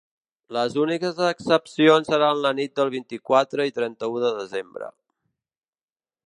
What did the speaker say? Les úniques excepcions seran la nit del vint-i-quatre i trenta-u de desembre.